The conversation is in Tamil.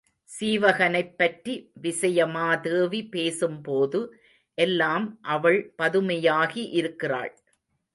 சீவகனைப் பற்றி விசயமாதேவி பேசும் போது எல்லாம் அவள் பதுமையாகி இருக்கிறாள்.